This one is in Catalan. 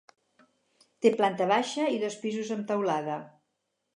Té planta baixa i dos pisos, amb teulada.